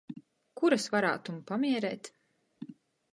Kur es varātum pamiereit?